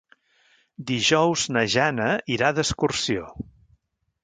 Dijous na Jana irà d'excursió.